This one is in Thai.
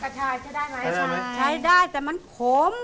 ใช้ได้แต่มันขม